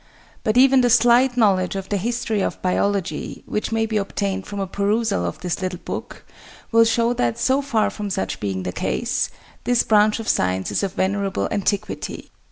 But even the slight knowledge of the history of Biology, which may be obtained from a perusal of this little book, will show that, so far from such being the case, this branch of science is of venerable antiquity.